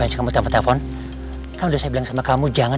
hai apa aja kamu telepon telepon kan udah saya bilang sama kamu jangan